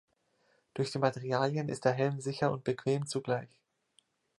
Durch die Materialien ist der Helm sicher und bequem zugleich.